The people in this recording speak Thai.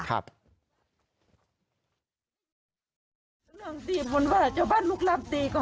เกิดอธิบายมามันลำบาก